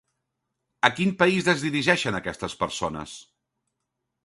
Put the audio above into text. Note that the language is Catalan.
A quin país es dirigeixen aquestes persones?